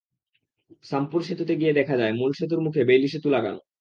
সামপুর সেতুতে গিয়ে দেখা যায়, মূল সেতুর মুখে বেইলি সেতু লাগানো।